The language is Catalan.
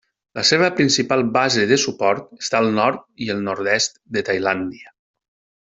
La seva principal base de suport està al nord i el nord-est de Tailàndia.